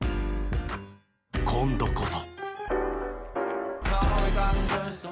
今度こそ。